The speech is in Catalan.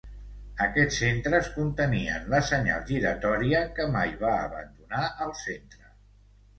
Aquests centres contenien la senyal giratòria que mai va abandonar el centre.